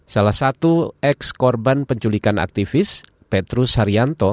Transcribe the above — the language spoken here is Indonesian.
salah satu ex korban penculikan aktivis petrus haryanto